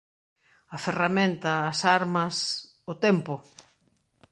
A ferramenta, as armas... o tempo!